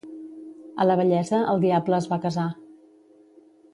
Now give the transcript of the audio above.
A la vellesa el diable es va casar.